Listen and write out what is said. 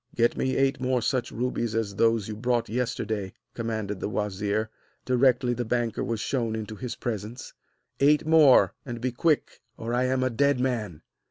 'Get me eight more such rubies as those you brought yesterday,' commanded the wazir, directly the banker was shown into his presence. 'Eight more, and be quick, or I am a dead man.'